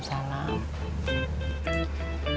semoga mak cepet sembuh